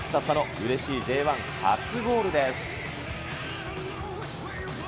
うれしいＪ１初ゴールです。